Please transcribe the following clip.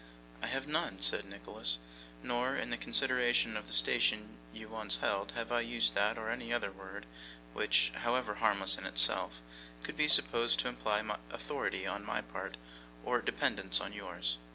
'I have none,' said Nicholas; 'nor, in the consideration of the station you once held, have I used that or any other word which, however harmless in itself, could be supposed to imply authority on my part or dependence on yours.